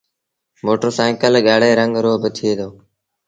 موٽر سآئيٚڪل ڳآڙي رنگ رو با هوئي دو۔